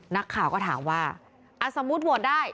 นักข่าวก็ถามว่าสมมุติโหวตได้